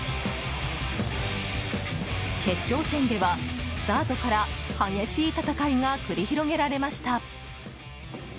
決勝戦ではスタートから激しい戦いが繰り広げられました。